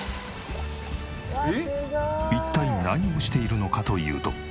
一体何をしているのかというと。